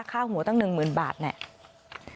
ค่าหัวตั้ง๑๐๐๐บาทเนี่ย